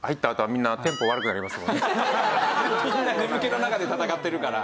みんな眠気の中で闘ってるから。